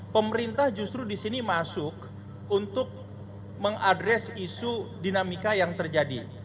pemerintah justru di sini masuk untuk mengadres isu dinamika yang terjadi